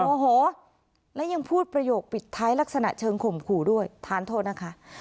โมโหและยังพูดประโยคปิดท้ายลักษณะเชิงข่มขู่ด้วยทานโทษนะคะ